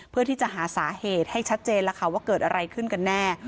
เพื่อที่จะหาสาเหตุให้ชัดเจนแล้วค่ะว่าเกิดอะไรขึ้นกันแน่